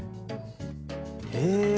へえ。